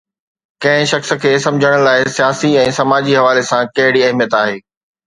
ڪنهن شخصيت کي سمجهڻ لاءِ سياسي ۽ سماجي حوالي سان ڪهڙي اهميت آهي؟